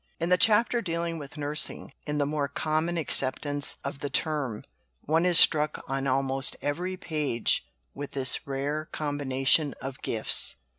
In the chapter dealing with nursing, in the more common acceptance of the term, one is struck on almost every page with this rare combination of gifts.